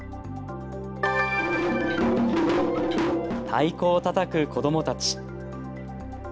太鼓をたたく子どもたち。